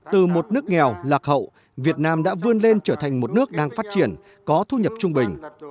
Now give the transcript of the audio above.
từ một nước nghèo lạc hậu việt nam đã vươn lên trở thành một nước đang phát triển có thu nhập trung bình